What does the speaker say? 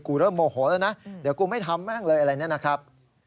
เริ่มโมโหแล้วนะเดี๋ยวกูไม่ทำแม่งเลยอะไรเนี่ยนะครับ